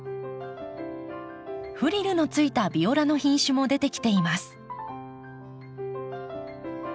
フリルのついたビオラの品種も出てきています。